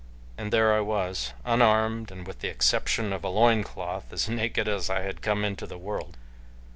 And there I was, unarmed, and, with the exception of a loin cloth, as naked as I had come into the world.